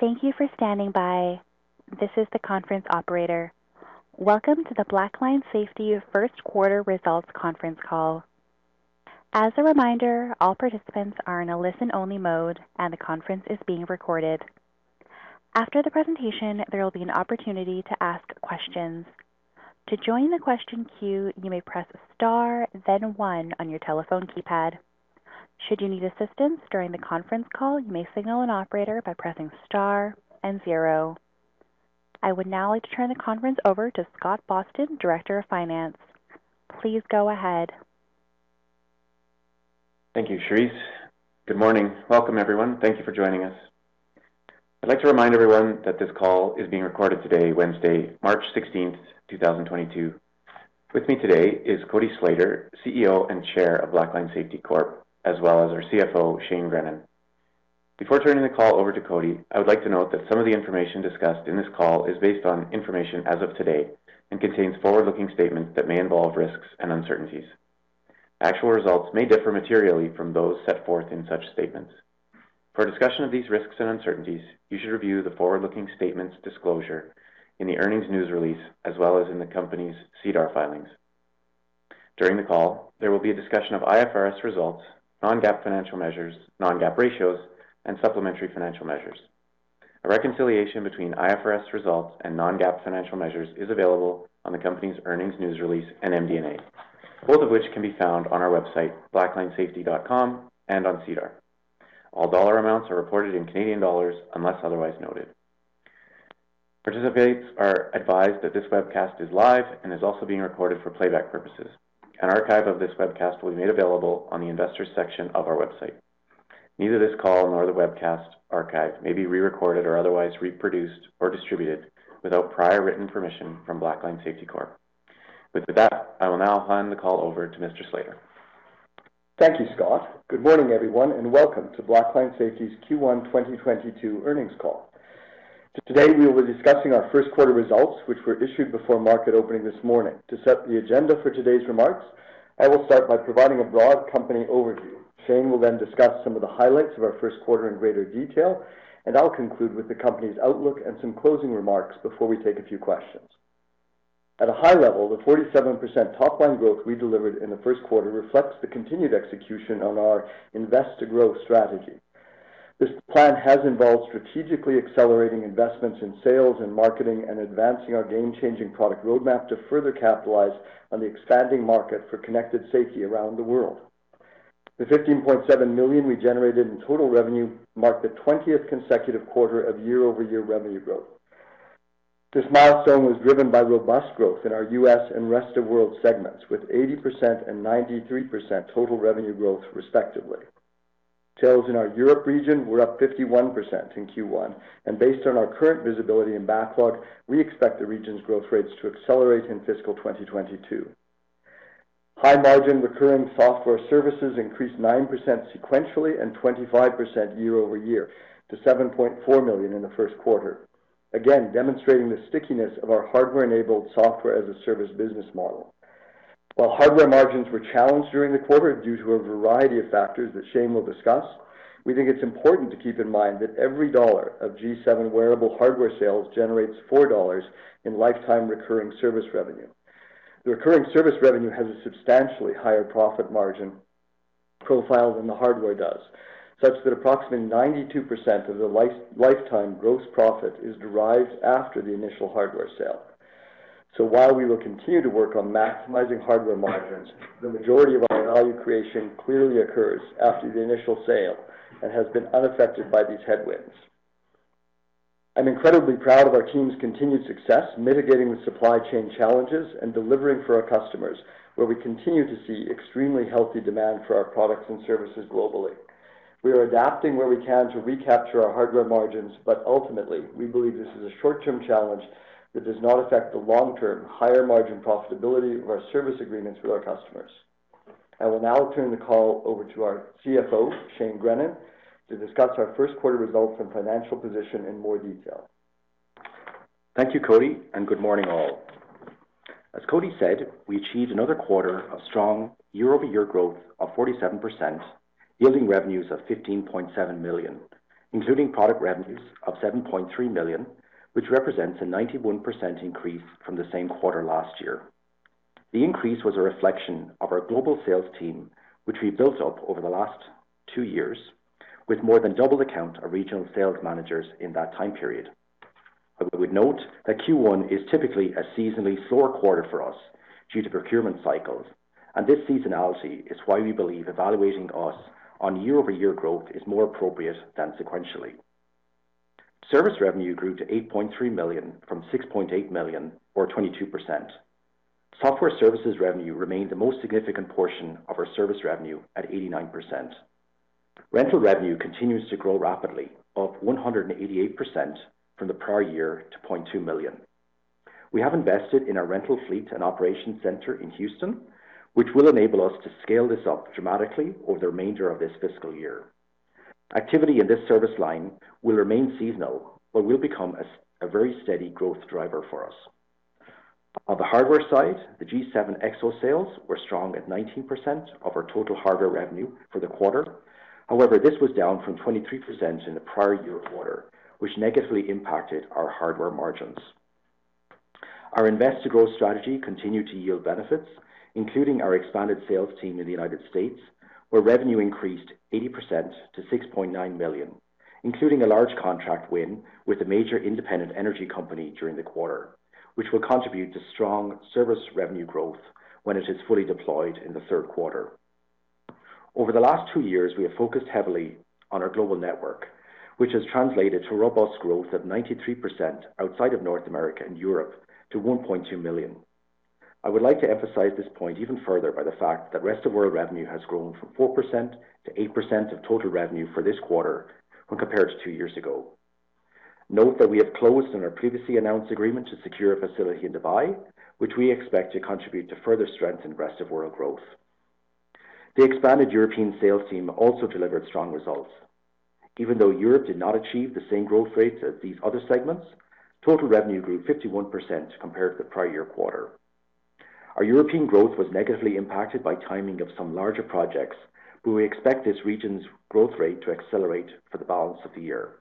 Thank you for standing by. This is the conference operator. Welcome to the Blackline Safety First Quarter Results Conference Call. As a reminder, all participants are in a listen-only mode, and the conference is being recorded. After the presentation, there will be an opportunity to ask questions. To join the question queue, you may press star then one on your telephone keypad. Should you need assistance during the conference call, you may signal an operator by pressing star and zero. I would now like to turn the conference over to Scott Boston, Director of Finance. Please go ahead. Thank you, Charisse. Good morning. Welcome, everyone. Thank you for joining us. I'd like to remind everyone that this call is being recorded today, Wednesday, March 16th, 2022. With me today is Cody Slater, CEO and Chair of Blackline Safety Corp, as well as our CFO, Shane Grennan. Before turning the call over to Cody, I would like to note that some of the information discussed in this call is based on information as of today and contains forward-looking statements that may involve risks and uncertainties. Actual results may differ materially from those set forth in such statements. For a discussion of these risks and uncertainties, you should review the forward-looking statements disclosure in the earnings news release, as well as in the company's SEDAR filings. During the call, there will be a discussion of IFRS results, non-GAAP financial measures, non-GAAP ratios, and supplementary financial measures. A reconciliation between IFRS results and non-GAAP financial measures is available on the company's earnings news release and MD&A, both of which can be found on our website blacklinesafety.com and on SEDAR. All dollar amounts are reported in Canadian dollars unless otherwise noted. Participants are advised that this webcast is live and is also being recorded for playback purposes. An archive of this webcast will be made available on the Investors section of our website. Neither this call nor the webcast archive may be re-recorded or otherwise reproduced or distributed without prior written permission from Blackline Safety Corp. With that, I will now hand the call over to Mr. Slater. Thank you, Scott. Good morning, everyone, and welcome to Blackline Safety's Q1 2022 earnings call. Today, we will be discussing our first quarter results, which were issued before market opening this morning. To set the agenda for today's remarks, I will start by providing a broad company overview. Shane will then discuss some of the highlights of our first quarter in greater detail, and I'll conclude with the company's outlook and some closing remarks before we take a few questions. At a high level, the 47% top-line growth we delivered in the first quarter reflects the continued execution on our invest to growth strategy. This plan has involved strategically accelerating investments in sales and marketing and advancing our game-changing product roadmap to further capitalize on the expanding market for connected safety around the world. The 15.7 million we generated in total revenue marked the 20th consecutive quarter of year-over-year revenue growth. This milestone was driven by robust growth in our U.S. and Rest of World segments, with 80% and 93% total revenue growth, respectively. Sales in our Europe region were up 51% in Q1, and based on our current visibility and backlog, we expect the region's growth rates to accelerate in fiscal 2022. High margin recurring software services increased 9% sequentially and 25% year-over-year to 7.4 million in the first quarter, again demonstrating the stickiness of our hardware-enabled software as a service business model. While hardware margins were challenged during the quarter due to a variety of factors that Shane will discuss, we think it's important to keep in mind that every dollar of G7 wearable hardware sales generates 4 dollars in lifetime recurring service revenue. The recurring service revenue has a substantially higher profit margin profile than the hardware does, such that approximately 92% of the lifetime gross profit is derived after the initial hardware sale. While we will continue to work on maximizing hardware margins, the majority of our value creation clearly occurs after the initial sale and has been unaffected by these headwinds. I'm incredibly proud of our team's continued success mitigating the supply chain challenges and delivering for our customers, where we continue to see extremely healthy demand for our products and services globally. We are adapting where we can to recapture our hardware margins, but ultimately, we believe this is a short-term challenge that does not affect the long-term higher margin profitability of our service agreements with our customers. I will now turn the call over to our CFO, Shane Grennan, to discuss our first quarter results and financial position in more detail. Thank you, Cody, and good morning all. As Cody said, we achieved another quarter of strong year-over-year growth of 47%, yielding revenues of 15.7 million, including product revenues of 7.3 million, which represents a 91% increase from the same quarter last year. The increase was a reflection of our global sales team, which we built up over the last two years with more than double the count of regional sales managers in that time period. I would note that Q1 is typically a seasonally slower quarter for us due to procurement cycles, and this seasonality is why we believe evaluating us on year-over-year growth is more appropriate than sequentially. Service revenue grew to 8.3 million from 6.8 million or 22%. Software services revenue remained the most significant portion of our service revenue at 89%. Rental revenue continues to grow rapidly, up 188% from the prior year to 0.2 million. We have invested in our rental fleet and operations center in Houston, which will enable us to scale this up dramatically over the remainder of this fiscal year. Activity in this service line will remain seasonal, but will become a very steady growth driver for us. On the hardware side, the G7 EXO sales were strong at 19% of our total hardware revenue for the quarter. However, this was down from 23% in the prior year quarter, which negatively impacted our hardware margins. Our invest to growth strategy continued to yield benefits, including our expanded sales team in the United States, where revenue increased 80% to 6.9 million, including a large contract win with a major independent energy company during the quarter, which will contribute to strong service revenue growth when it is fully deployed in the third quarter. Over the last two years, we have focused heavily on our global network, which has translated to robust growth of 93% outside of North America and Europe to 1.2 million. I would like to emphasize this point even further by the fact that Rest of World revenue has grown from 4% to 8% of total revenue for this quarter when compared to two years ago. Note that we have closed on our previously announced agreement to secure a facility in Dubai, which we expect to contribute to further strengthen Rest of World growth. The expanded European sales team also delivered strong results. Even though Europe did not achieve the same growth rates as these other segments, total revenue grew 51% compared to the prior year quarter. Our European growth was negatively impacted by timing of some larger projects, but we expect this region's growth rate to accelerate for the balance of the year.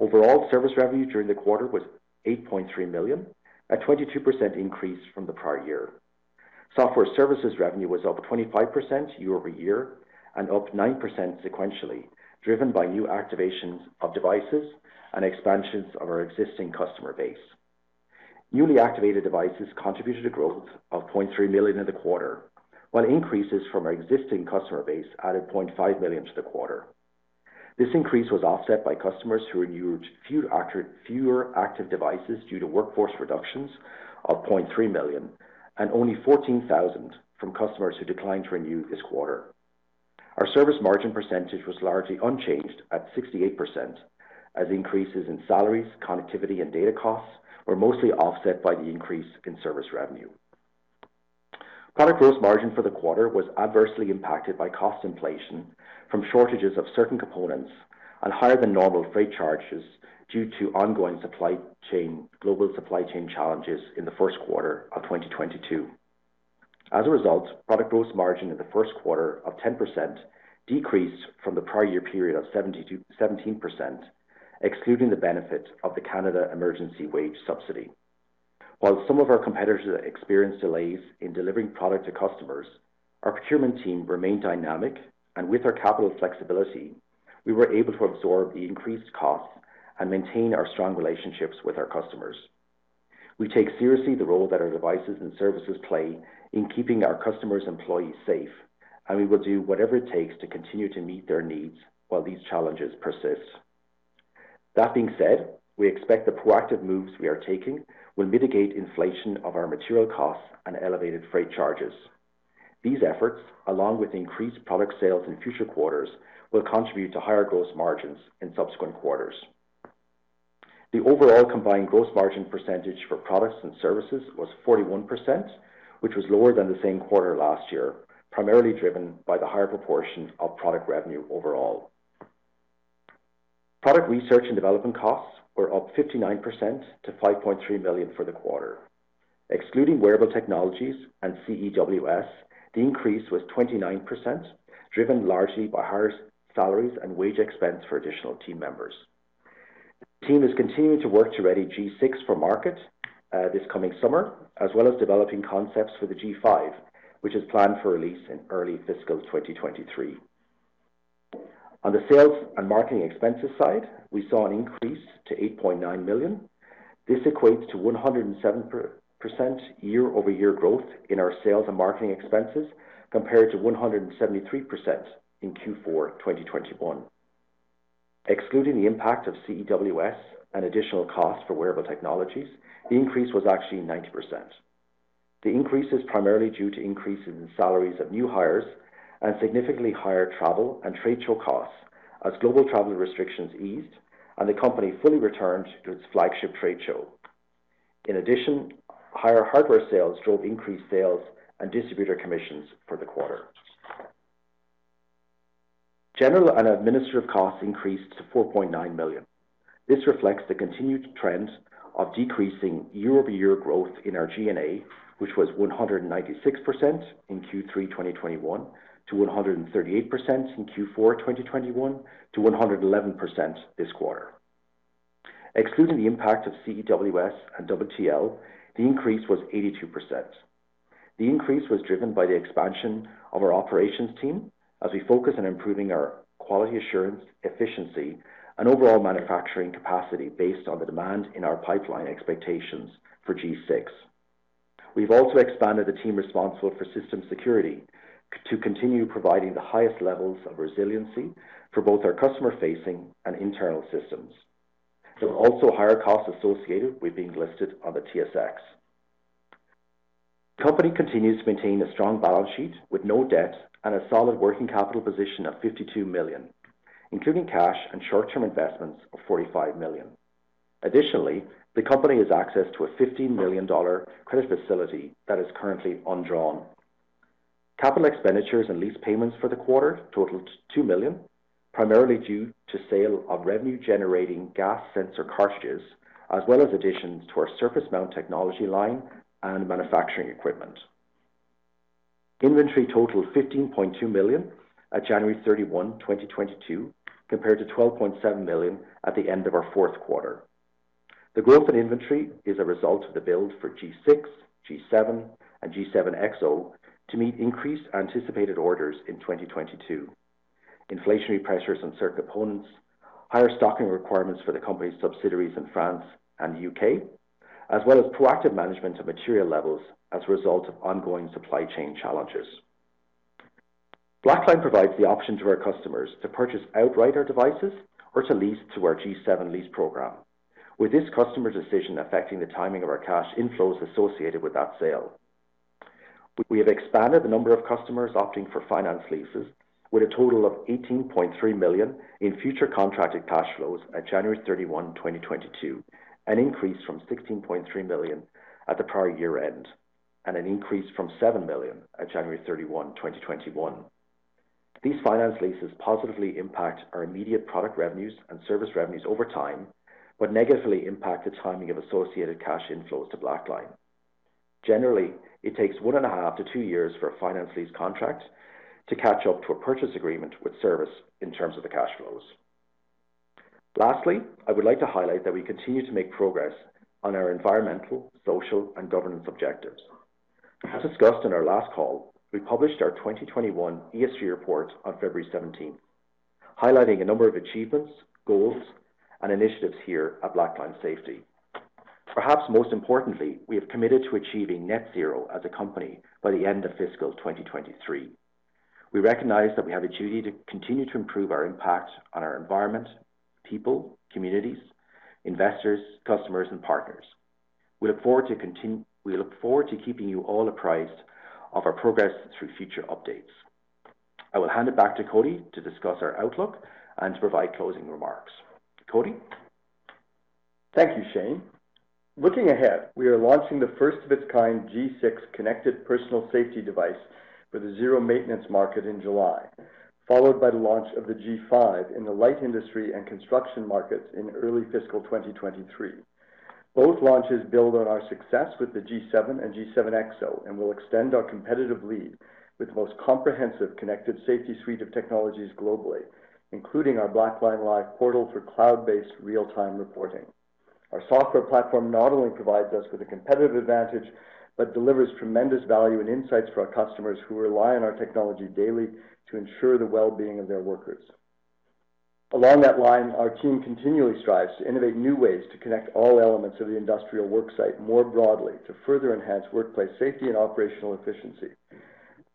Overall, service revenue during the quarter was 8.3 million, a 22% increase from the prior year. Software services revenue was up 25% year-over-year and up 9% sequentially, driven by new activations of devices and expansions of our existing customer base. Newly activated devices contributed to growth of 0.3 million in the quarter, while increases from our existing customer base added 0.5 million to the quarter. This increase was offset by customers who renewed fewer active devices due to workforce reductions of 0.3 million and only 14,000 from customers who declined to renew this quarter. Our service margin percentage was largely unchanged at 68% as increases in salaries, connectivity, and data costs were mostly offset by the increase in service revenue. Product gross margin for the quarter was adversely impacted by cost inflation from shortages of certain components and higher than normal freight charges due to ongoing global supply chain challenges in the first quarter of 2022. As a result, product gross margin in the first quarter was 10% decreased from the prior year period of 17%, excluding the benefit of the Canada Emergency Wage Subsidy. While some of our competitors experienced delays in delivering product to customers, our procurement team remained dynamic, and with our capital flexibility, we were able to absorb the increased costs and maintain our strong relationships with our customers. We take seriously the role that our devices and services play in keeping our customers' employees safe, and we will do whatever it takes to continue to meet their needs while these challenges persist. That being said, we expect the proactive moves we are taking will mitigate inflation of our material costs and elevated freight charges. These efforts, along with increased product sales in future quarters, will contribute to higher gross margins in subsequent quarters. The overall combined gross margin percentage for products and services was 41%, which was lower than the same quarter last year, primarily driven by the higher proportion of product revenue overall. Product research and development costs were up 59% to 5.3 million for the quarter. Excluding Wearable Technologies and CEWS, the increase was 29%, driven largely by higher salaries and wage expense for additional team members. The team is continuing to work to ready G6 for market this coming summer, as well as developing concepts for the G5, which is planned for release in early fiscal 2023. On the sales and marketing expenses side, we saw an increase to 8.9 million. This equates to 107% year-over-year growth in our sales and marketing expenses compared to 173% in Q4 2021. Excluding the impact of CEWS and additional costs for Wearable Technologies, the increase was actually 90%. The increase is primarily due to increases in salaries of new hires and significantly higher travel and trade show costs as global travel restrictions eased and the company fully returned to its flagship trade show. In addition, higher hardware sales drove increased sales and distributor commissions for the quarter. General and administrative costs increased to 4.9 million. This reflects the continued trend of decreasing year-over-year growth in our G&A, which was 196% in Q3 2021 to 138% in Q4 2021 to 111% this quarter. Excluding the impact of CEWS and WTL, the increase was 82%. The increase was driven by the expansion of our operations team as we focus on improving our quality assurance, efficiency, and overall manufacturing capacity based on the demand in our pipeline expectations for G6. We've also expanded the team responsible for system security to continue providing the highest levels of resiliency for both our customer-facing and internal systems. There were also higher costs associated with being listed on the TSX. The company continues to maintain a strong balance sheet with no debt and a solid working capital position of 52 million, including cash and short-term investments of 45 million. Additionally, the company has access to a 15 million dollar credit facility that is currently undrawn. Capital expenditures and lease payments for the quarter totaled 2 million, primarily due to sale of revenue-generating gas sensor cartridges, as well as additions to our surface mount technology line and manufacturing equipment. Inventory totaled 15.2 million at January 31, 2022, compared to 12.7 million at the end of our fourth quarter. The growth in inventory is a result of the build for G6, G7, and G7 EXO to meet increased anticipated orders in 2022, inflationary pressures on certain components, higher stocking requirements for the company's subsidiaries in France and the U.K., as well as proactive management of material levels as a result of ongoing supply chain challenges. Blackline provides the option to our customers to purchase outright our devices or to lease through our G7 lease program. With this customer decision affecting the timing of our cash inflows associated with that sale. We have expanded the number of customers opting for finance leases with a total of 18.3 million in future contracted cash flows at January 31, 2022, an increase from 16.3 million at the prior year-end, and an increase from 7 million at January 31, 2021. These finance leases positively impact our immediate product revenues and service revenues over time, but negatively impact the timing of associated cash inflows to Blackline. Generally, it takes one and a half to two years for a finance lease contract to catch up to a purchase agreement with service in terms of the cash flows. Lastly, I would like to highlight that we continue to make progress on our environmental, social, and governance objectives. As discussed in our last call, we published our 2021 ESG report on February 17th, highlighting a number of achievements, goals, and initiatives here at Blackline Safety. Perhaps most importantly, we have committed to achieving net zero as a company by the end of fiscal 2023. We recognize that we have a duty to continue to improve our impact on our environment, people, communities, investors, customers, and partners. We look forward to keeping you all apprised of our progress through future updates. I will hand it back to Cody to discuss our outlook and to provide closing remarks. Cody? Thank you, Shane. Looking ahead, we are launching the first of its kind G6 connected personal safety device for the zero maintenance market in July, followed by the launch of the G5 in the light industry and construction markets in early fiscal 2023. Both launches build on our success with the G7 and G7 EXO and will extend our competitive lead with the most comprehensive connected safety suite of technologies globally, including our Blackline Live portal for cloud-based real-time reporting. Our software platform not only provides us with a competitive advantage, but delivers tremendous value and insights for our customers who rely on our technology daily to ensure the well-being of their workers. Along that line, our team continually strives to innovate new ways to connect all elements of the industrial worksite more broadly to further enhance workplace safety and operational efficiency.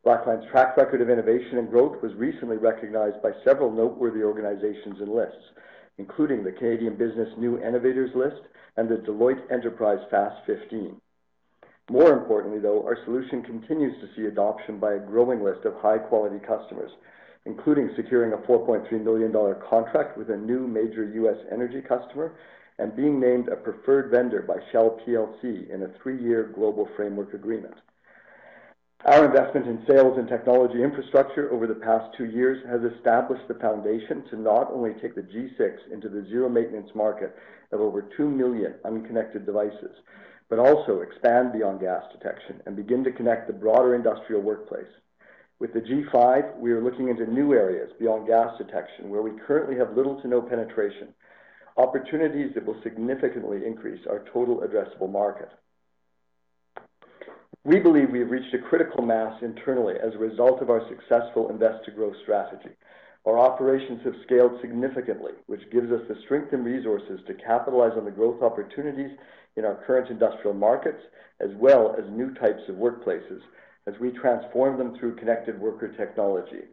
Blackline's track record of innovation and growth was recently recognized by several noteworthy organizations and lists, including the Canadian Business New Innovators List and the Deloitte Enterprise Fast 15. More importantly, though, our solution continues to see adoption by a growing list of high-quality customers, including securing a 4.3 million dollar contract with a new major U.S. energy customer and being named a preferred vendor by Shell plc in a three-year global framework agreement. Our investment in sales and technology infrastructure over the past two years has established the foundation to not only take the G6 into the zero maintenance market of over 2 million unconnected devices, but also expand beyond gas detection and begin to connect the broader industrial workplace. With the G5, we are looking into new areas beyond gas detection where we currently have little to no penetration, opportunities that will significantly increase our total addressable market. We believe we have reached a critical mass internally as a result of our successful invest to growth strategy. Our operations have scaled significantly, which gives us the strength and resources to capitalize on the growth opportunities in our current industrial markets, as well as new types of workplaces as we transform them through connected worker technology.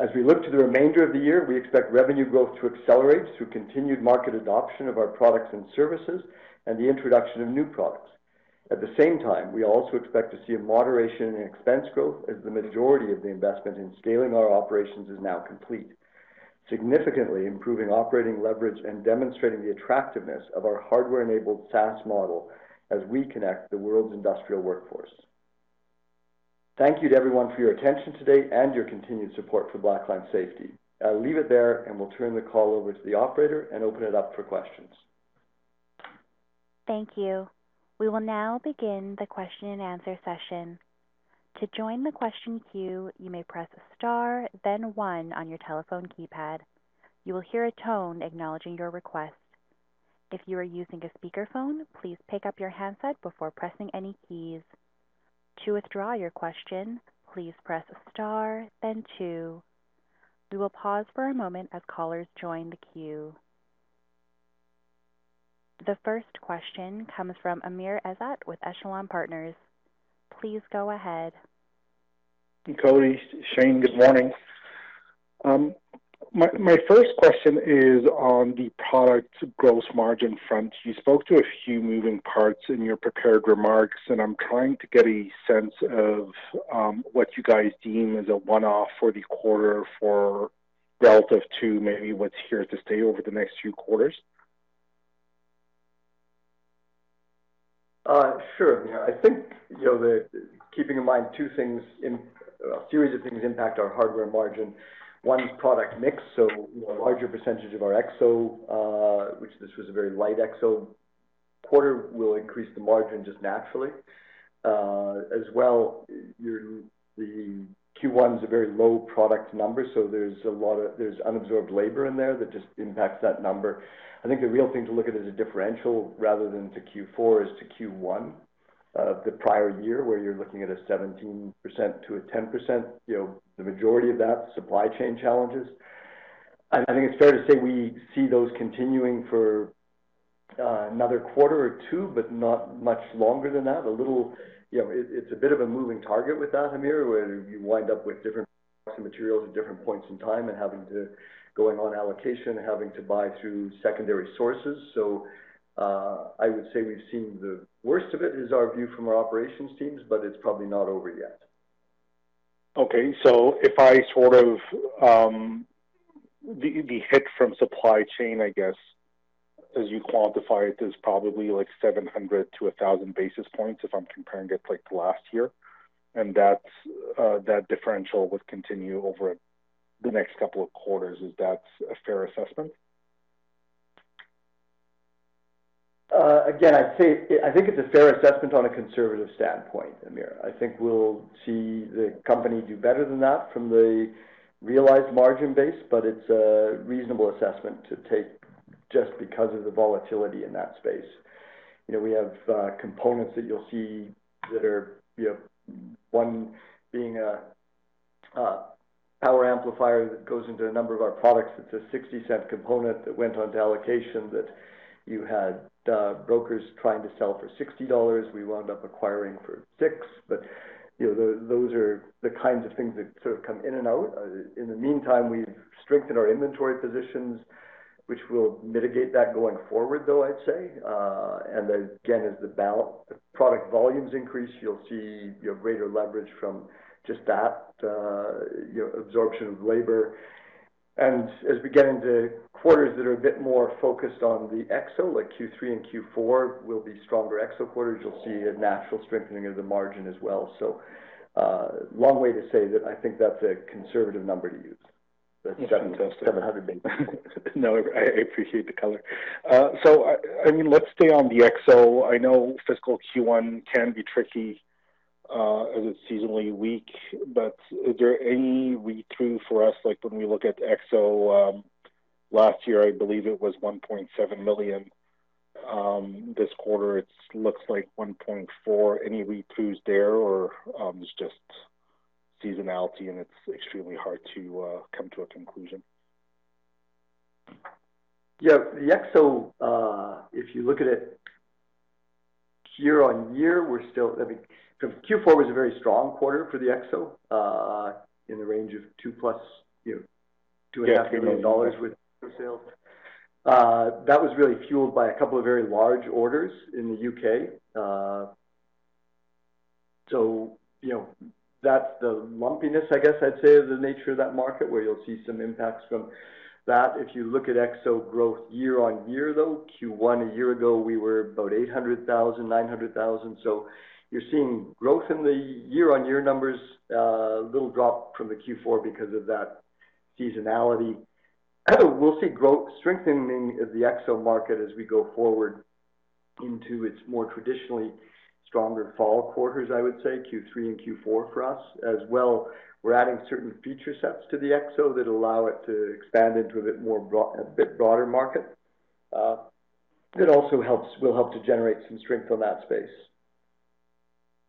As we look to the remainder of the year, we expect revenue growth to accelerate through continued market adoption of our products and services and the introduction of new products. At the same time, we also expect to see a moderation in expense growth as the majority of the investment in scaling our operations is now complete, significantly improving operating leverage and demonstrating the attractiveness of our hardware-enabled SaaS model as we connect the world's industrial workforce. Thank you to everyone for your attention today and your continued support for Blackline Safety. I'll leave it there, and we'll turn the call over to the operator and open it up for questions. Thank you. We will now begin the question-and-answer session. To join the question queue, you may press star then one on your telephone keypad. You will hear a tone acknowledging your request. If you are using a speakerphone, please pick up your handset before pressing any keys. To withdraw your question, please press star then two. We will pause for a moment as callers join the queue. The first question comes from Amr Ezzat with Echelon Partners. Please go ahead. Cody, Shane, good morning. My first question is on the product gross margin front. You spoke to a few moving parts in your prepared remarks, and I'm trying to get a sense of what you guys deem as a one-off for the quarter or relative to maybe what's here to stay over the next few quarters? Sure. I think, you know, keeping in mind two things in a series of things impact our hardware margin. One is product mix, so a larger percentage of our EXO, which this was a very light EXO quarter, will increase the margin just naturally. As well, the Q1 is a very low product number, so there's unabsorbed labor in there that just impacts that number. I think the real thing to look at as a differential rather than to Q4 is to Q1 of the prior year, where you're looking at a 17%-10%, you know, the majority of that, supply chain challenges. I think it's fair to say we see those continuing for another quarter or two, but not much longer than that. A little You know, it's a bit of a moving target with that, Amr, where you wind up with different materials at different points in time and going on allocation, having to buy through secondary sources. I would say we've seen the worst of it, is our view from our operations teams, but it's probably not over yet. Okay. If I sort of, the hit from supply chain, I guess, as you quantify it, is probably like 700-1,000 basis points, if I'm comparing it like to last year. That differential would continue over the next couple of quarters. Is that a fair assessment? Again, I'd say I think it's a fair assessment on a conservative standpoint, Amr. I think we'll see the company do better than that from the realized margin base, but it's a reasonable assessment to take just because of the volatility in that space. You know, we have components that you'll see that are, you know, one being a power amplifier that goes into a number of our products. It's a 0.60 component that went onto allocation that you had brokers trying to sell for 60 dollars. We wound up acquiring for 0.6. But, you know, those are the kinds of things that sort of come in and out. In the meantime, we've strengthened our inventory positions, which will mitigate that going forward, though, I'd say. Again, as the product volumes increase, you'll see, you know, greater leverage from just that, you know, absorption of labor. As we get into quarters that are a bit more focused on the EXO, like Q3 and Q4 will be stronger EXO quarters, you'll see a natural strengthening of the margin as well. Long way to say that I think that's a conservative number to use, the 700 basis points. No, I appreciate the color. So, I mean, let's stay on the EXO. I know fiscal Q1 can be tricky, as it's seasonally weak, but is there any read-through for us? Like, when we look at EXO, last year, I believe it was 1.7 million. This quarter it looks like 1.4 million. Any read-throughs there or, it's just seasonality and it's extremely hard to come to a conclusion? Yeah. The EXO, if you look at it year-over-year, we're still. I mean, Q4 was a very strong quarter for the EXO, in the range of 2 million+, you know, 2.5 million dollars with sales. That was really fueled by a couple of very large orders in the U.K. So, you know, that's the lumpiness, I guess I'd say, of the nature of that market, where you'll see some impacts from that. If you look at EXO growth year-over-year, though, Q1 a year ago, we were about 800,000-900,000. So you're seeing growth in the year-over-year numbers, a little drop from the Q4 because of that seasonality. I think we'll see growth strengthening of the EXO market as we go forward into its more traditionally stronger fall quarters, I would say, Q3 and Q4 for us. As well, we're adding certain feature sets to the EXO that allow it to expand into a bit broader market, that also will help to generate some strength on that space.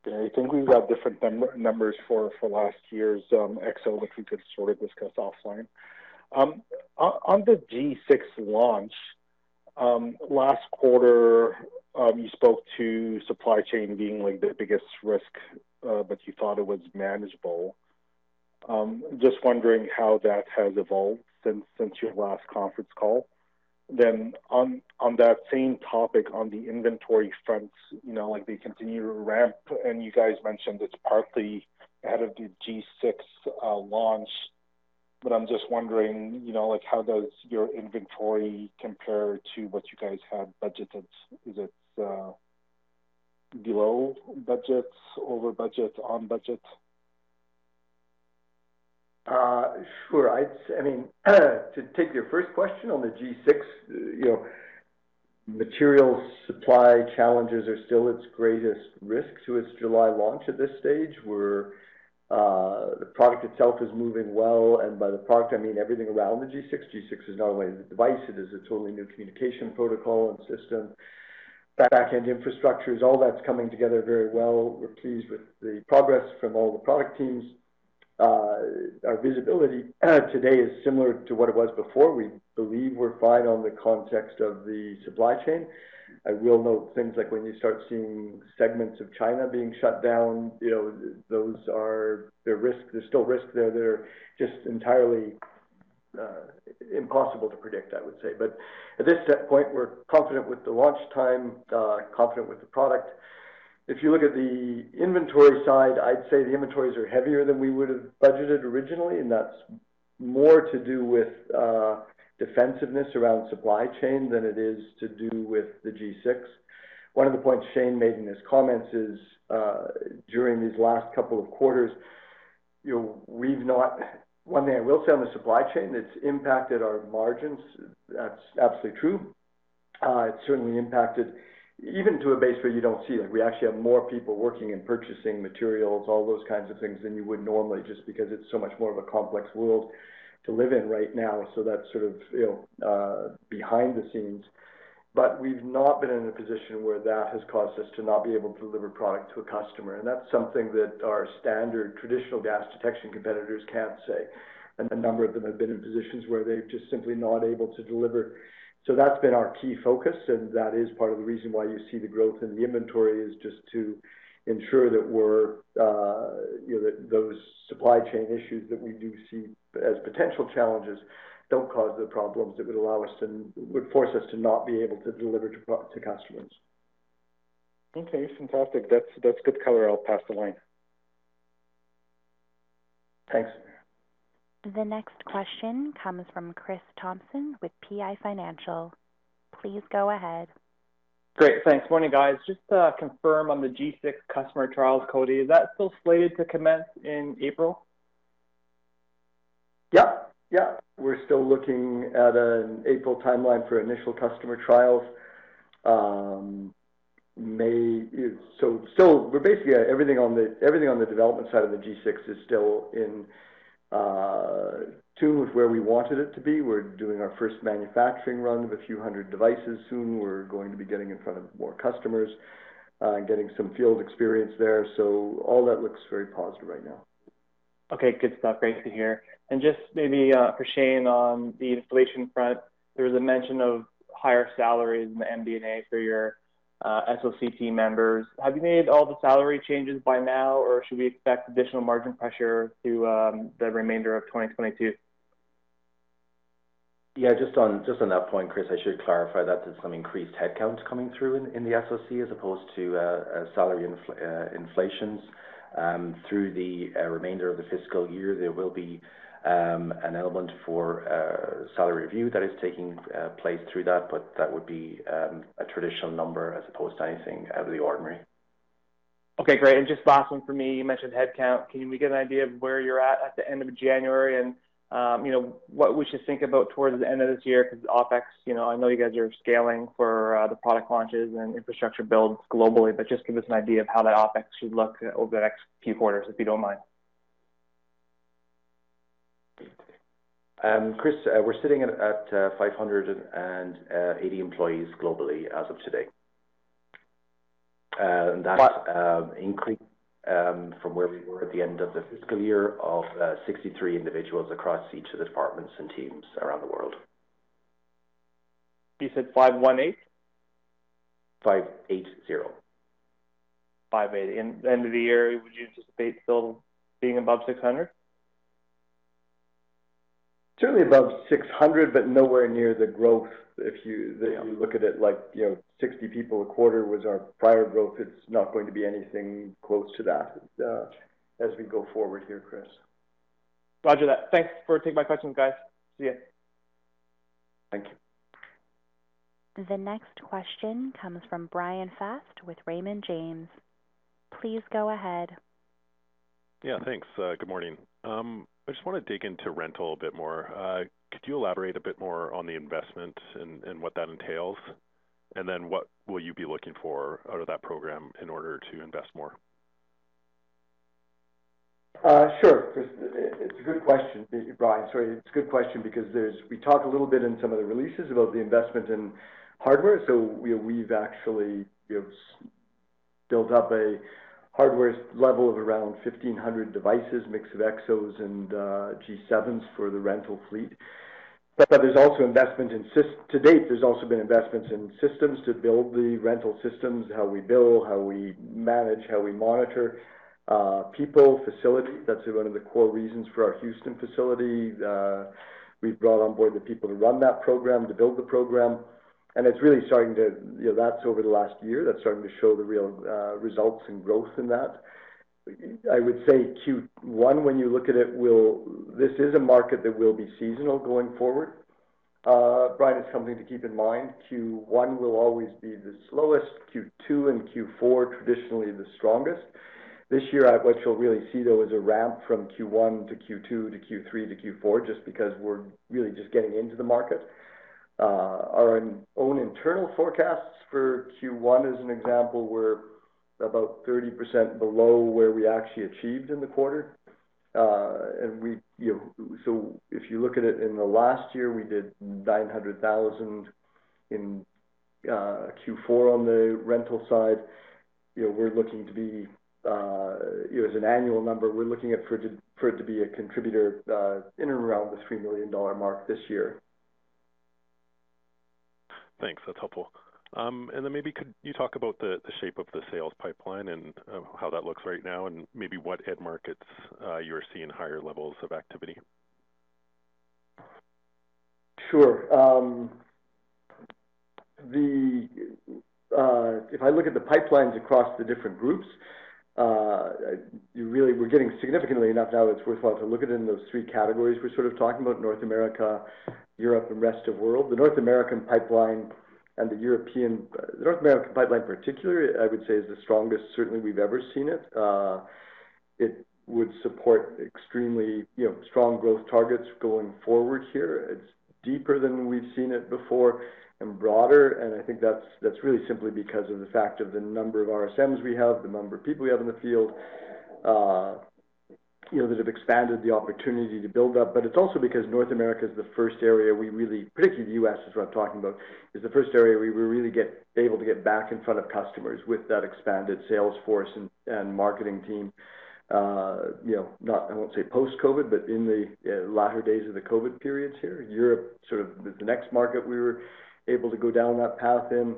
Okay. I think we've got different numbers for last year's EXO, but we could sort of discuss offline. On the G6 launch last quarter, you spoke to supply chain being like the biggest risk, but you thought it was manageable. Just wondering how that has evolved since your last conference call. On that same topic, on the inventory front, you know, like the continued ramp, and you guys mentioned it's partly ahead of the G6 launch. I'm just wondering, you know, like how does your inventory compare to what you guys had budgeted? Is it below budget, over budget, on budget? Sure. I mean, to take your first question on the G6, you know, material supply challenges are still its greatest risk to its July launch at this stage, where the product itself is moving well, and by the product I mean everything around the G6. G6 is not only the device, it is a totally new communication protocol and system. Back-end infrastructure, all that's coming together very well. We're pleased with the progress from all the product teams. Our visibility today is similar to what it was before. We believe we're fine in the context of the supply chain. I will note things like when you start seeing segments of China being shut down, you know, those are the risks. There's still risks there that are just entirely impossible to predict, I would say. At this point, we're confident with the launch time, confident with the product. If you look at the inventory side, I'd say the inventories are heavier than we would have budgeted originally, and that's more to do with defensiveness around supply chain than it is to do with the G6. One of the points Shane made in his comments is during these last couple of quarters, you know, one thing I will say on the supply chain, it's impacted our margins. That's absolutely true. It's certainly impacted even to a base where you don't see it. We actually have more people working in purchasing materials, all those kinds of things than you would normally just because it's so much more of a complex world to live in right now. That's sort of, you know, behind the scenes. We've not been in a position where that has caused us to not be able to deliver product to a customer, and that's something that our standard traditional gas detection competitors can't say. A number of them have been in positions where they're just simply not able to deliver. That's been our key focus, and that is part of the reason why you see the growth in the inventory is just to ensure that we're, you know, that those supply chain issues that we do see as potential challenges don't cause the problems that would force us to not be able to deliver to customers. Okay, fantastic. That's good color. I'll pass the line. Thanks. The next question comes from Kris Thompson with PI Financial. Please go ahead. Great. Thanks. Morning, guys. Just to confirm on the G6 customer trials, Cody, is that still slated to commence in April? Yeah, yeah. We're still looking at an April timeline for initial customer trials. We're basically everything on the development side of the G6 is still in tune with where we wanted it to be. We're doing our first manufacturing run of a few hundred devices soon. We're going to be getting in front of more customers and getting some field experience there. All that looks very positive right now. Okay, good stuff. Great to hear. Just maybe, for Shane on the inflation front, there was a mention of higher salaries in the MD&A for your SOC team members. Have you made all the salary changes by now, or should we expect additional margin pressure through the remainder of 2022? Yeah, just on that point, Kris, I should clarify that there's some increased headcounts coming through in the SOC as opposed to a salary inflation through the remainder of the fiscal year. There will be an element for a salary review that is taking place through that, but that would be a traditional number as opposed to anything out of the ordinary. Okay, great. Just last one for me. You mentioned headcount. Can we get an idea of where you're at the end of January and, you know, what we should think about towards the end of this year? Because OpEx, you know, I know you guys are scaling for, the product launches and infrastructure builds globally, but just give us an idea of how that OpEx should look over the next few quarters, if you don't mind? Chris, we're sitting at 580 employees globally as of today. That's an increase from where we were at the end of the fiscal year of 63 individuals across each of the departments and teams around the world. You said 518? 580. 580. End of the year, would you anticipate still being above 600? Certainly above 600, but nowhere near the growth if you- Yeah. Look at it like, you know, 60 people a quarter was our prior growth. It's not going to be anything close to that, as we go forward here, Kris. Roger that. Thanks for taking my questions, guys. See you. Thank you. The next question comes from Bryan Fast with Raymond James. Please go ahead. Yeah, thanks. Good morning. I just want to dig into rental a bit more. Could you elaborate a bit more on the investment and what that entails? What will you be looking for out of that program in order to invest more? Sure. It's a good question, Bryan. Sorry. It's a good question because there's we talked a little bit in some of the releases about the investment in hardware. So we've actually, you know, built up a hardware level of around 1,500 devices, mix of EXOs and G7s for the rental fleet. But to date, there's also been investments in systems to build the rental systems, how we bill, how we manage, how we monitor people, facility. That's one of the core reasons for our Houston facility. We've brought on board the people to run that program, to build the program. It's really starting to, you know, that's over the last year, that's starting to show the real results and growth in that. I would say Q1, when you look at it, will... This is a market that will be seasonal going forward, Bryan, is something to keep in mind. Q1 will always be the slowest, Q2 and Q4, traditionally the strongest. This year, what you'll really see, though, is a ramp from Q1 to Q2 to Q3 to Q4, just because we're really just getting into the market. Our own internal forecasts for Q1, as an example, we're about 30% below where we actually achieved in the quarter. So if you look at it in the last year, we did 900,000 in Q4 on the rental side. You know, we're looking to be, as an annual number, we're looking at for it to be a contributor, in and around the 3 million dollar mark this year. Thanks. That's helpful. Maybe could you talk about the shape of the sales pipeline and how that looks right now and maybe what end markets you're seeing higher levels of activity? Sure. If I look at the pipelines across the different groups, we're getting significantly enough now it's worthwhile to look at it in those three categories we're sort of talking about North America, Europe, and Rest of World. The North American pipeline particularly, I would say, is the strongest certainly we've ever seen it. It would support extremely, you know, strong growth targets going forward here. It's deeper than we've ever seen it before and broader, and I think that's really simply because of the fact of the number of RSMs we have, the number of people we have in the field, you know, that have expanded the opportunity to build up. It's also because North America, particularly the U.S. is what I'm talking about, is the first area we really get able to get back in front of customers with that expanded sales force and marketing team. You know, not, I won't say post-COVID, but in the latter days of the COVID periods here. Europe sort of the next market we were able to go down that path in.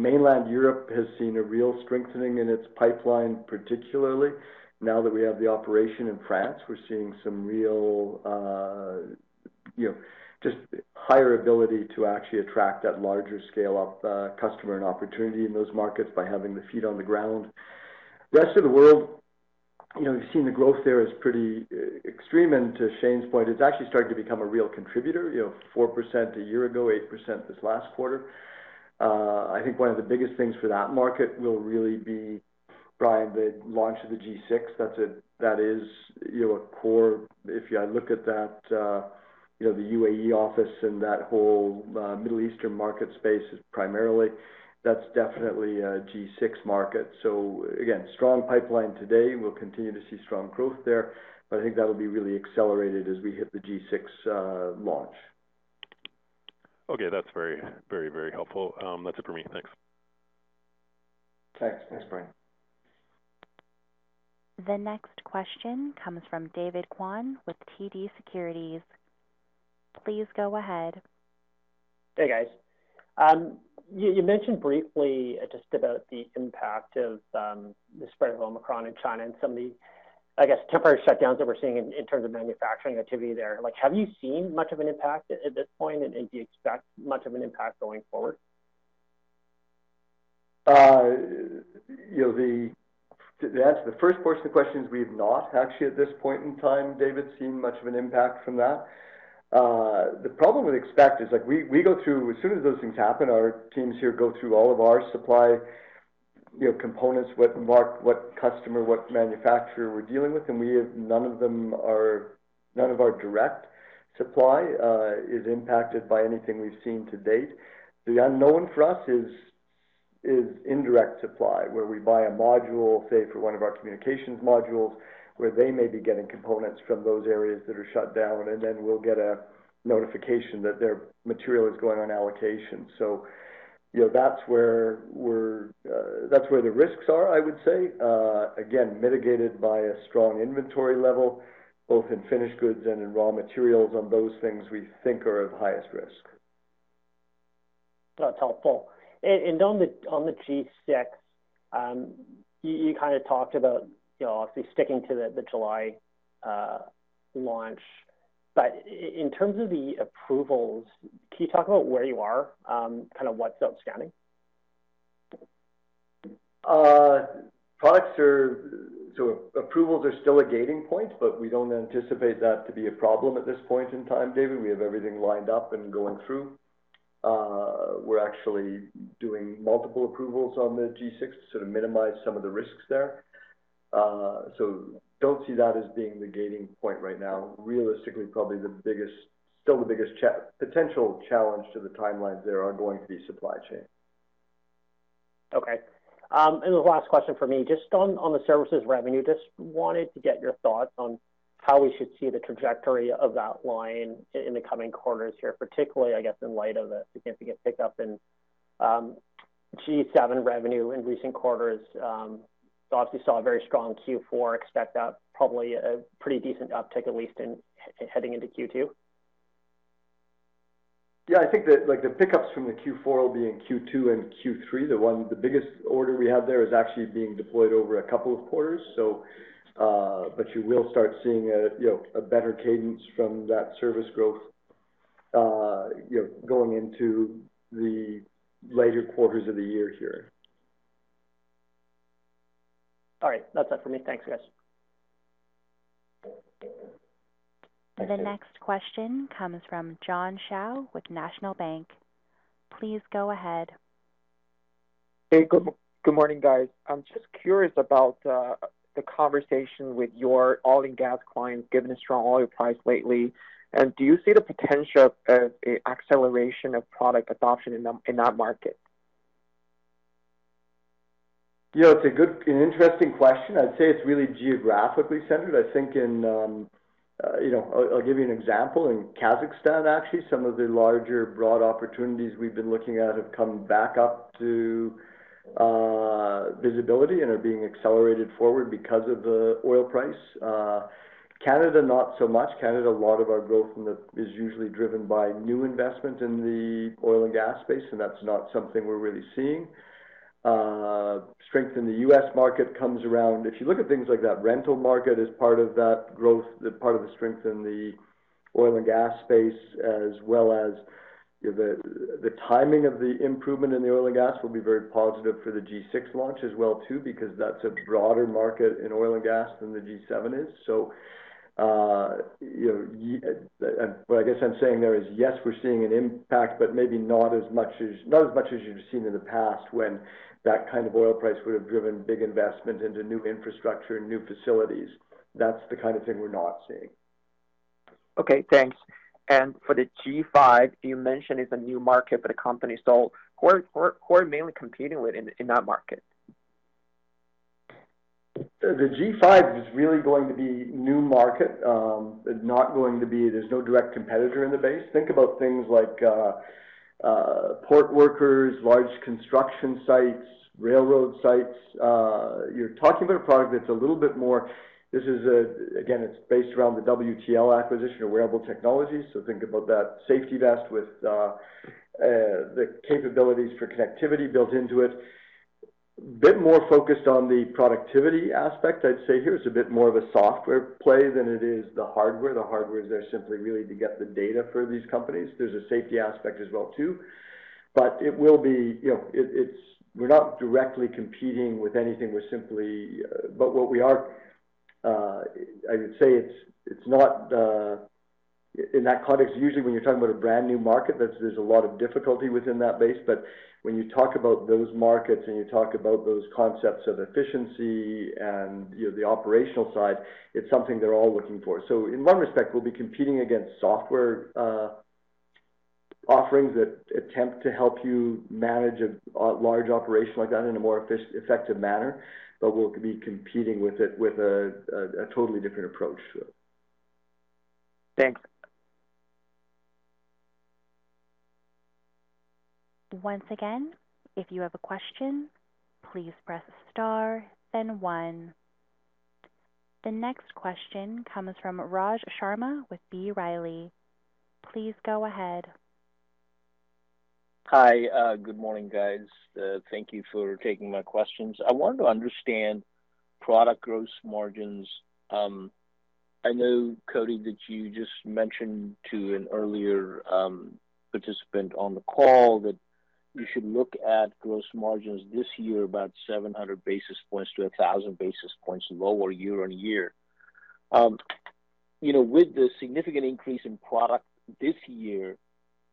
Mainland Europe has seen a real strengthening in its pipeline, particularly now that we have the operation in France. We're seeing some real, you know, just higher ability to actually attract that larger scale of customer and opportunity in those markets by having the feet on the ground. Rest of the world, you know, we've seen the growth there is pretty extreme. To Shane's point, it's actually starting to become a real contributor, you know, 4% a year ago, 8% this last quarter. I think one of the biggest things for that market will really be, Bryan, the launch of the G6. That is, you know, a core. If you look at that, you know, the UAE office and that whole, Middle Eastern market space is primarily, that's definitely a G6 market. So again, strong pipeline today. We'll continue to see strong growth there, but I think that'll be really accelerated as we hit the G6 launch. Okay. That's very, very, very helpful. That's it for me. Thanks. Thanks. Thanks, Bryan. The next question comes from David Kwan with TD Securities. Please go ahead. Hey, guys. You mentioned briefly just about the impact of the spread of Omicron in China and some of the, I guess, temporary shutdowns that we're seeing in terms of manufacturing activity there. Like, have you seen much of an impact at this point, and do you expect much of an impact going forward? You know, to answer the first portion of the question is we've not actually at this point in time, David, seen much of an impact from that. The problem we expect is, like, we go through as soon as those things happen, our teams here go through all of our supply, you know, components, what markets, what customers, what manufacturers we're dealing with. We have none of our direct supply is impacted by anything we've seen to date. The unknown for us is indirect supply, where we buy a module, say, for one of our communications modules, where they may be getting components from those areas that are shut down, and then we'll get a notification that their material is going on allocation. You know, that's where we're, that's where the risks are, I would say. Again, mitigated by a strong inventory level, both in finished goods and in raw materials on those things we think are of highest risk. That's helpful. On the G6, you kinda talked about, you know, obviously sticking to the July launch. In terms of the approvals, can you talk about where you are, kind of what's outstanding? Approvals are still a gating point, but we don't anticipate that to be a problem at this point in time, David. We have everything lined up and going through. We're actually doing multiple approvals on the G6 to sort of minimize some of the risks there. Don't see that as being the gating point right now. Realistically, probably the biggest potential challenge to the timelines there are going to be supply chain. Okay. The last question for me, just on the services revenue, just wanted to get your thoughts on how we should see the trajectory of that line in the coming quarters here, particularly, I guess, in light of the significant pickup in G7 revenue in recent quarters. Obviously saw a very strong Q4, expect that probably a pretty decent uptick, at least in heading into Q2? Yeah. I think the, like, the pickups from the Q4 will be in Q2 and Q3. The biggest order we have there is actually being deployed over a couple of quarters. You will start seeing a, you know, a better cadence from that service growth, you know, going into the later quarters of the year here. All right. That's it for me. Thanks, guys. Thank you. The next question comes from John Shao with National Bank. Please go ahead. Hey, good morning, guys. I'm just curious about the conversation with your oil and gas clients, given the strong oil price lately. Do you see the potential of a acceleration of product adoption in that market? You know, it's a good and interesting question. I'd say it's really geographically centered. I think in, you know, I'll give you an example. In Kazakhstan, actually, some of the larger broad opportunities we've been looking at have come back up to visibility and are being accelerated forward because of the oil price. Canada, not so much. Canada, a lot of our growth is usually driven by new investment in the oil and gas space, and that's not something we're really seeing. Strength in the U.S. market comes around. If you look at things like that rental market as part of that growth, the part of the strength in the oil and gas space, as well as the timing of the improvement in the oil and gas will be very positive for the G6 launch as well too, because that's a broader market in oil and gas than the G7 is. You know, what I guess I'm saying there is, yes, we're seeing an impact, but maybe not as much as you've seen in the past when that kind of oil price would have driven big investment into new infrastructure and new facilities. That's the kind of thing we're not seeing. Okay, thanks. For the G5, you mentioned it's a new market, but a company sold. Who are you mainly competing with in that market? The G5 is really going to be a new market. There's no direct competitor in the space. Think about things like port workers, large construction sites, railroad sites. You're talking about a product that's a little bit more. This is again, it's based around the WTL acquisition of Wearable Technologies. Think about that safety vest with the capabilities for connectivity built into it. A bit more focused on the productivity aspect, I'd say. Here it's a bit more of a software play than it is the hardware. The hardware is there simply really to get the data for these companies. There's a safety aspect as well, too. It will be, you know, it's. We're not directly competing with anything. What we are, I would say, it's not in that context. Usually when you're talking about a brand-new market, that there's a lot of difficulty within that base. When you talk about those markets and you talk about those concepts of efficiency and, you know, the operational side, it's something they're all looking for. In one respect, we'll be competing against software offerings that attempt to help you manage a large operation like that in a more effective manner, but we'll be competing with it with a totally different approach. Thanks. Once again, if you have a question, please press star then one. The next question comes from Raj Sharma with B. Riley. Please go ahead. Hi. Good morning, guys. Thank you for taking my questions. I wanted to understand product gross margins. I know, Cody, that you just mentioned to an earlier participant on the call that you should look at gross margins this year about 700-1,000 basis points lower year-over-year. You know, with the significant increase in product this year,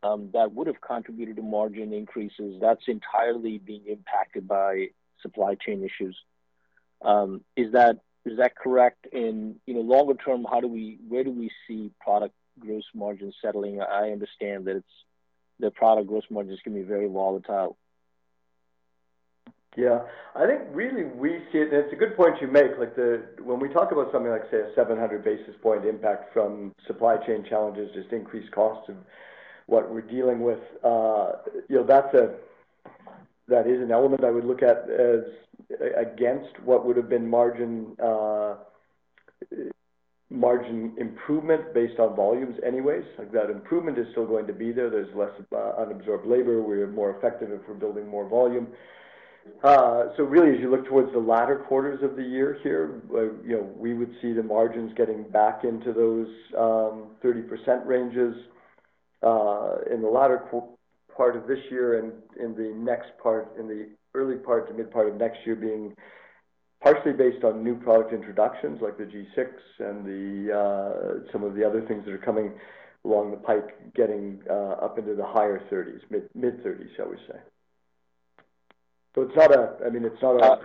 that would have contributed to margin increases, that's entirely being impacted by supply chain issues. Is that correct? You know, longer term, where do we see product gross margin settling? I understand that it's, the product gross margin is gonna be very volatile. Yeah. I think really we see it, and it's a good point you make, like the. When we talk about something like, say, a 700 basis point impact from supply chain challenges, just increased cost of what we're dealing with, you know, that is an element I would look at as against what would have been margin improvement based on volumes anyways. Like, that improvement is still going to be there. There's less unabsorbed labor. We're more effective if we're building more volume. Really, as you look towards the latter quarters of the year here, you know, we would see the margins getting back into those 30% ranges in the latter part of this year and in the next part, in the early part to mid part of next year being partially based on new product introductions like the G6 and some of the other things that are coming along the pipeline, getting up into the higher 30s, mid-30s, shall we say. I mean, it's not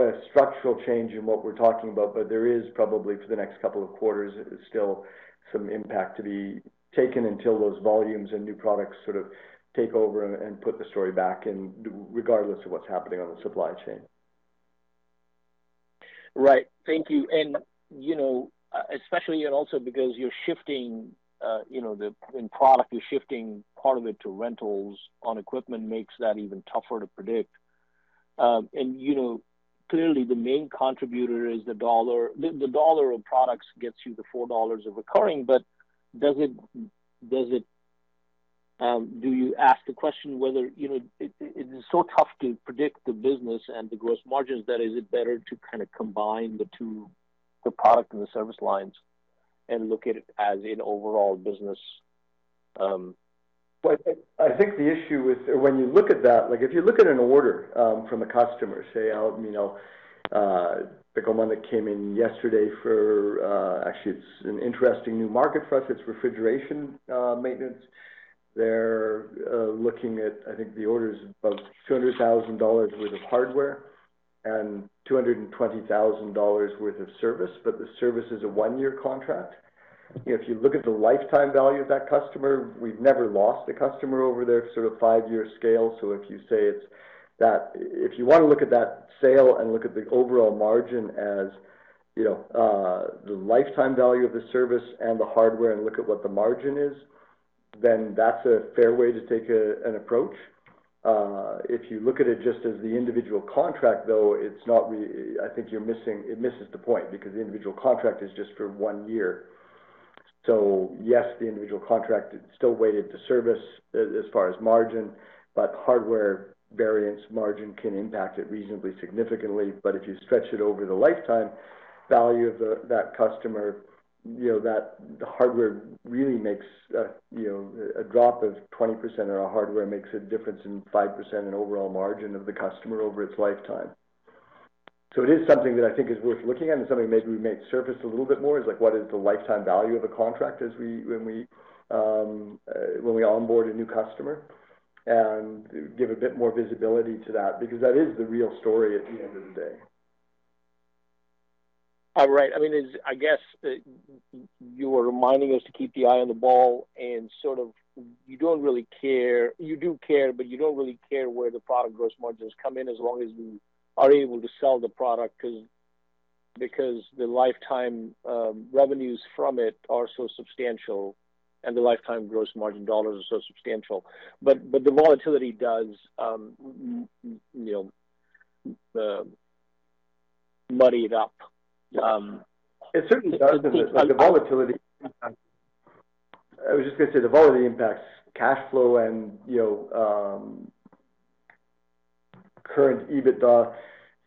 a structural change in what we're talking about, but there is probably for the next couple of quarters still some impact to be taken until those volumes and new products sort of take over and put the story back and regardless of what's happening on the supply chain. Right. Thank you. You know, especially and also because you're shifting in product, you're shifting part of it to rentals on equipment makes that even tougher to predict. You know, clearly the main contributor is the dollar. The dollar of products gets you the 4 dollars of recurring, but does it do you ask the question whether you know, it is so tough to predict the business and the gross margins that is it better to kind of combine the two, the product and the service lines and look at it as an overall business. I think the issue with when you look at that, like if you look at an order from a customer, say, you know, pick one that came in yesterday for, actually it's an interesting new market for us, it's refrigeration maintenance. They're looking at, I think the order is about 200,000 dollars worth of hardware and 220,000 dollars worth of service, but the service is a one-year contract. If you look at the lifetime value of that customer, we've never lost a customer over their sort of five-year scale. If you say it's that If you wanna look at that sale and look at the overall margin as, you know, the lifetime value of the service and the hardware and look at what the margin is, then that's a fair way to take an approach. If you look at it just as the individual contract, though, it misses the point because the individual contract is just for one year. Yes, the individual contract is still weighted to service as far as margin, but hardware variance margin can impact it reasonably significantly. If you stretch it over the lifetime value of the, that customer, you know, that the hardware really makes, you know, a drop of 20% on our hardware makes a difference in 5% in overall margin of the customer over its lifetime. It is something that I think is worth looking at and something maybe we may surface a little bit more is like what is the lifetime value of a contract as we, when we onboard a new customer and give a bit more visibility to that, because that is the real story at the end of the day. All right. I mean, I guess you were reminding us to keep the eye on the ball and sort of you don't really care. You do care, but you don't really care where the product gross margins come in as long as we are able to sell the product because the lifetime revenues from it are so substantial, and the lifetime gross margin dollars are so substantial. But the volatility does, you know, muddy it up. It certainly does. The volatility impacts cash flow and, you know, current EBITDA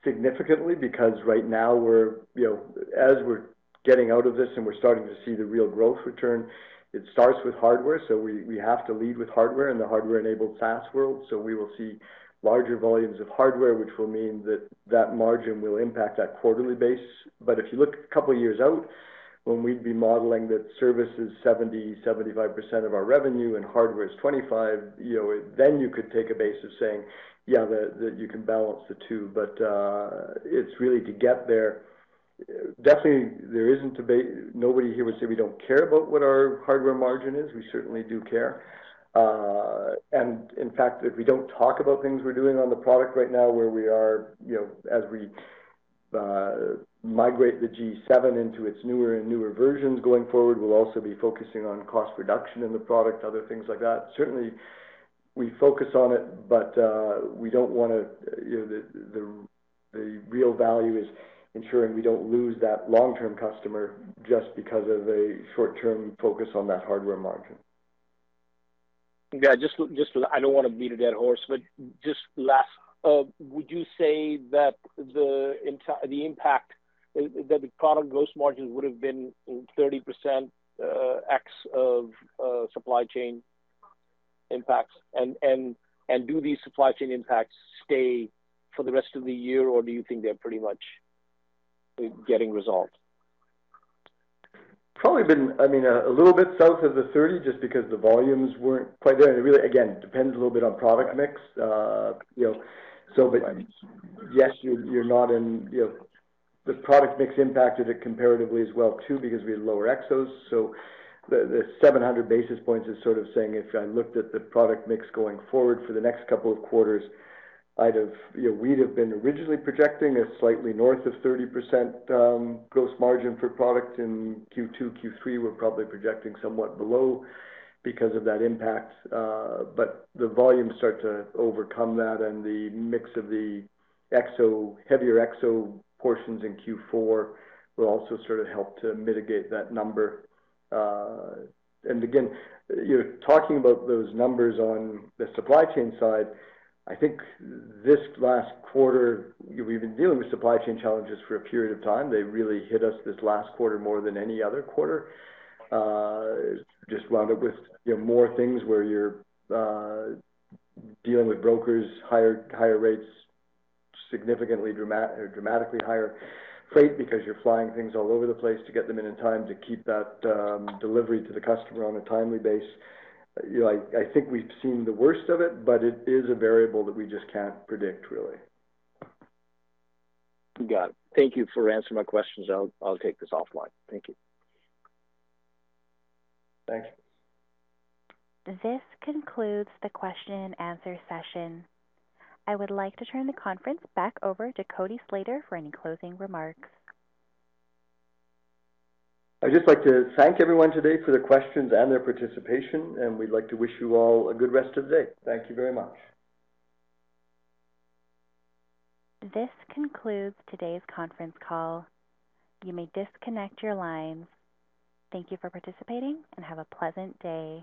significantly because right now we're, you know, as we're getting out of this and we're starting to see the real growth return, it starts with hardware, so we have to lead with hardware and the hardware-enabled SaaS world. We will see larger volumes of hardware, which will mean that margin will impact that quarterly base. If you look a couple of years out, when we'd be modeling that service is 70%, 75% of our revenue and hardware is 25%, you know, then you could take a base of saying, yeah, you can balance the two. It's really tough to get there. There's no debate. Nobody here would say we don't care about what our hardware margin is. We certainly do care. In fact, if we don't talk about things we're doing on the product right now where we are, you know, as we migrate the G7 into its newer and newer versions going forward, we'll also be focusing on cost reduction in the product, other things like that. Certainly, we focus on it, but we don't wanna, you know, the real value is ensuring we don't lose that long-term customer just because of a short-term focus on that hardware margin. Yeah, just, I don't wanna beat a dead horse, but just last would you say that the impact that the product gross margins would have been 30% ex of supply chain impacts? Do these supply chain impacts stay for the rest of the year, or do you think they're pretty much getting resolved? Probably been, I mean, a little bit south of the 30%, just because the volumes weren't quite there. It really, again, depends a little bit on product mix. You know, Right. Yes, you're not in, you know. The product mix impacted it comparatively as well too because we had lower EXOs. The 700 basis points is sort of saying if I looked at the product mix going forward for the next couple of quarters, we'd have been originally projecting a slightly north of 30% gross margin for product in Q2. Q3, we're probably projecting somewhat below because of that impact. The volumes start to overcome that and the mix of the EXO, heavier EXO portions in Q4 will also sort of help to mitigate that number. Again, you're talking about those numbers on the supply chain side. I think this last quarter, we've been dealing with supply chain challenges for a period of time. They really hit us this last quarter more than any other quarter. Just wound up with, you know, more things where you're dealing with brokers, higher rates, significantly, dramatically higher freight because you're flying things all over the place to get them in time to keep that delivery to the customer on a timely basis. You know, I think we've seen the worst of it, but it is a variable that we just can't predict, really. Got it. Thank you for answering my questions. I'll take this offline. Thank you. Thanks. This concludes the question-and-answer session. I would like to turn the conference back over to Cody Slater for any closing remarks. I'd just like to thank everyone today for their questions and their participation, and we'd like to wish you all a good rest of the day. Thank you very much. This concludes today's conference call. You may disconnect your lines. Thank you for participating and have a pleasant day.